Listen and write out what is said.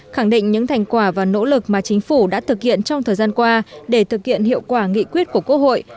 khẳng định những thành quả và nỗ lực mà chính phủ đã thực hiện trong thời gian qua để thực hiện hiệu quả nghị quyết của quốc hội